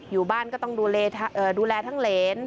อยู่บ้านก็ต้องดูแลทั้งเหรน